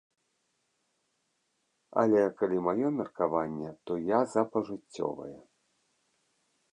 Але калі маё меркаванне, то я за пажыццёвае.